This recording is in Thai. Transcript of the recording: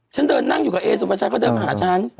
ฉันนั่งอยู่กับเอซุปัชฌาเขาเดินมาหาฉัน